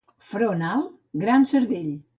Front alt, gran cervell.